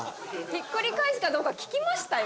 ひっくり返すかどうか聞きましたよ。